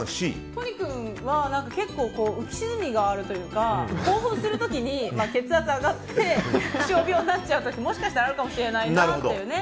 都仁君は結構浮き沈みがあるというか興奮する時に血圧が上がって気象病になっちゃう時もしかしたらあるかもしれないなっていうね。